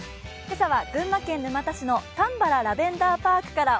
今朝は群馬県沼田市のたんばらラベンダーパークから